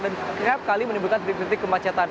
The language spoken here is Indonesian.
dan kerap kali menimbulkan titik titik kemacetan